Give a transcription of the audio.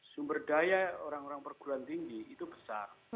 sumber daya orang orang perguruan tinggi itu besar